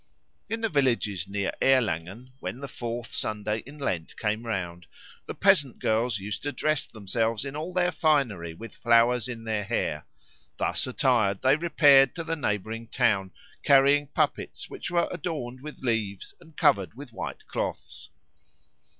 In the villages near Erlangen, when the fourth Sunday in Lent came around, the peasant girls used to dress themselves in all their finery with flowers in their hair. Thus attired they repaired to the neighbouring town, carrying puppets which were adorned with leaves and covered with white cloths.